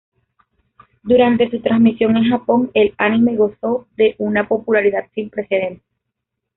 Durante su transmisión en Japón, el anime gozó de una popularidad sin precedentes.